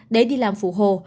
để đi làm phụ hồ